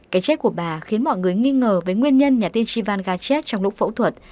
cái chết của bà khiến mọi người nghi ngờ với nguyên nhân nhà tiên tri van gachet trong lúc phẫu thuật